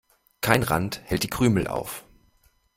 Kein Rand hält die Krümel auf.